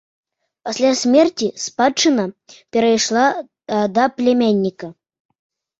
Пасля смерці спадчына перайшла да пляменніка.